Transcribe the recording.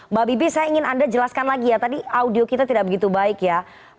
mbak bibi saya ingin anda jelaskan lagi ya tadi audio kita tidak begitu baik ya